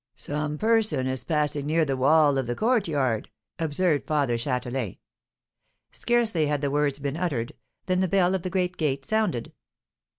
"Some person is passing near the wall of the courtyard," observed Father Châtelain. Scarcely had the words been uttered, than the bell of the great gate sounded.